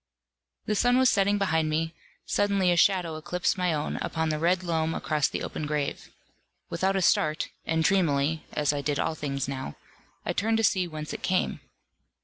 The sun was setting behind me: suddenly a shadow eclipsed my own upon the red loam across the open grave. Without a start, and dreamily (as I did all things now), I turned to see whence it came.